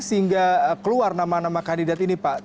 sehingga keluar nama nama kandidat ini pak